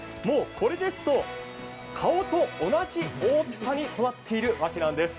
これですと顔と同じ大きさに育っているわけです。